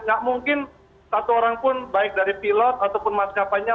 nggak mungkin satu orang pun baik dari pilot ataupun maskapainya